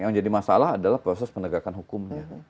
yang jadi masalah adalah proses penegakan hukumnya